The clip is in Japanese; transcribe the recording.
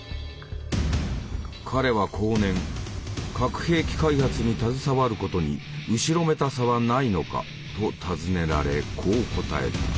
彼は後年「核兵器開発に携わることに後ろめたさはないのか」と尋ねられこう答えた。